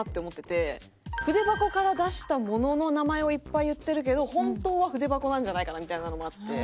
筆箱から出した物の名前をいっぱい言ってるけど本当は「筆箱」なんじゃないかなみたいなのもあって。